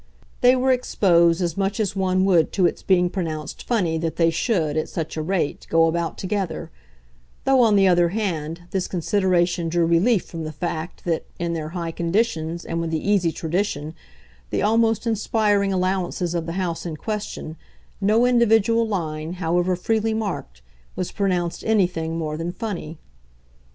They were exposed as much as one would to its being pronounced funny that they should, at such a rate, go about together though, on the other hand, this consideration drew relief from the fact that, in their high conditions and with the easy tradition, the almost inspiring allowances, of the house in question, no individual line, however freely marked, was pronounced anything more than funny.